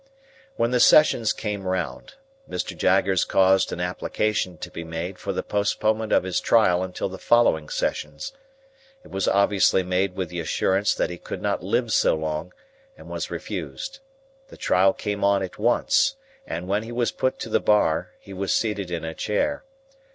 When the Sessions came round, Mr. Jaggers caused an application to be made for the postponement of his trial until the following Sessions. It was obviously made with the assurance that he could not live so long, and was refused. The trial came on at once, and, when he was put to the bar, he was seated in a chair.